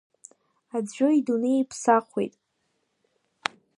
Аӡәы идунеи иԥсахуеит…